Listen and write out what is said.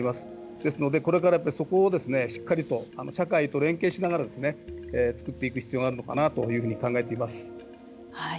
ですので、これからそこをしっかりと社会と連携しながら作っていく必要があるのかなというふうに考えています。